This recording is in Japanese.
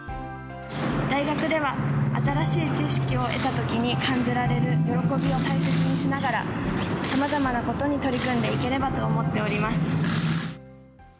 大学では新しい知識を得たときに感じられる喜びを大切にしながら、さまざまなことに取り組んでいければと思っております。